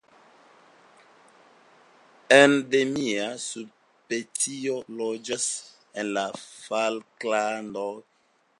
Endemia subspecio loĝas en la Falklandoj.